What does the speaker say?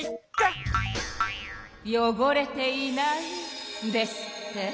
よごれていないですって？